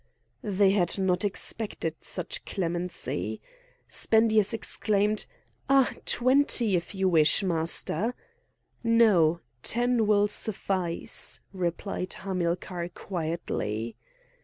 They had not expected such clemency; Spendius exclaimed: "Ah! twenty if you wish, master!" "No! ten will suffice," replied Hamilcar quietly.